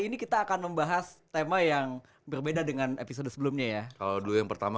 ini kita akan membahas tema yang berbeda dengan episode sebelumnya ya kalau dulu yang pertama